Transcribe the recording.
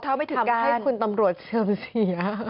ทำให้คุณตำรวจเชิงเสีย